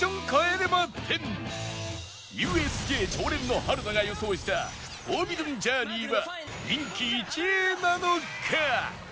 ＵＳＪ 常連の春菜が予想したフォービドゥン・ジャーニーは人気１位なのか？